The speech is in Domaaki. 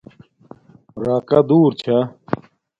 راکا دور چھا